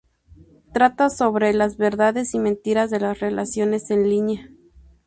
Trata sobre las verdades y mentiras de las relaciones en línea.